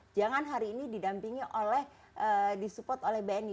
jangan hari ini didampingi oleh disupport oleh bni